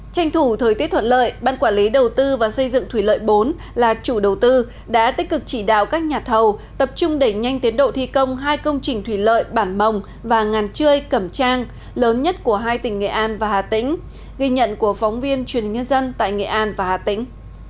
tranh thủ thời tiết thuận lợi ban quản lý đầu tư và xây dựng thủy lợi bốn là chủ đầu tư đã tích cực chỉ đạo các nhà thầu tập trung đẩy nhanh tiến độ thi công hai công trình thủy lợi bản mồng và ngàn chươi cẩm trang lớn nhất của hai tỉnh nghệ an và hà tĩnh ghi nhận của phóng viên truyền hình nhân dân tại nghệ an và hà tĩnh